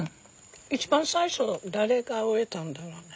一番最初誰が植えたんだろうね？